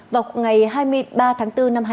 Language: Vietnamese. vào ngày hai mươi ba tháng bốn năm hai nghìn hai mươi